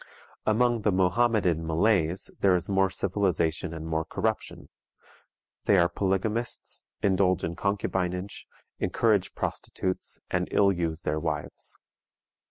Among the Mohammedan Malays there is more civilization and more corruption. They are polygamists, indulge in concubinage, encourage prostitutes, and ill use their wives.